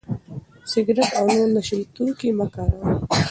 سګرټ او نور نشه يي توکي مه کاروئ.